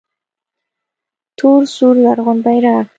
تور سور زرغون بیرغ